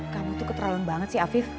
kamu tuh keteralan banget sih afif